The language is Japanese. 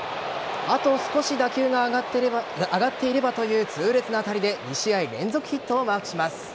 あと少し打球が上がっていればという痛烈な当たりで２試合連続ヒットをマークします。